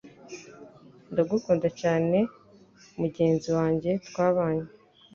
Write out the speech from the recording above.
Ndagukunda cyane mugenzi wanjye twabanye.